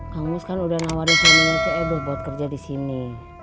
kang mus kan udah nawarin suami nya c edho buat kerja disini